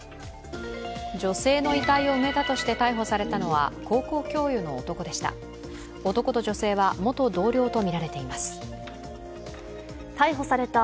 女性の遺体を埋めたとして逮捕されたのは高校教諭の男でした。